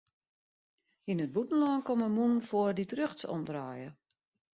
Yn it bûtenlân komme mûnen foar dy't rjochtsom draaie.